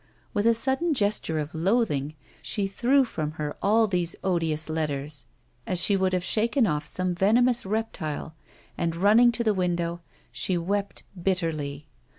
With a sudden gesture of loathing, she threw from her all these odious letters, as she would have shaken off some venomous reptile, and, running to the window, she wept bitterly.